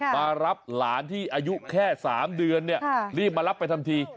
มารับหลานที่อายุแค่๓เดือนรีบมารับไปทันที